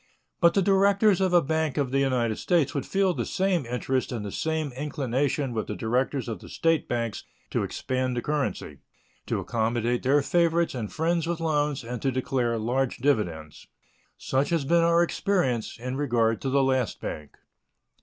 But the directors of a bank of the United States would feel the same interest and the same inclination with the directors of the State banks to expand the currency, to accommodate their favorites and friends with loans, and to declare large dividends. Such has been our experience in regard to the last bank.